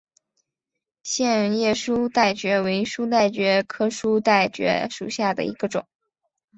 线叶书带蕨为书带蕨科书带蕨属下的一个种。